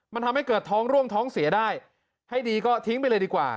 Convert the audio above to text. มันทำให้เกิดท้องร่วงท้องเสียได้ให้ดีก็ทิ้งไปเลยดีกว่า